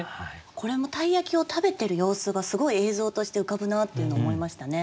これも鯛焼を食べてる様子がすごい映像として浮かぶなっていうのを思いましたね。